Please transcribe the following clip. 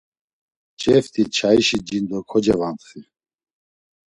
Ceft̆i çayişi jindo kocevantxi.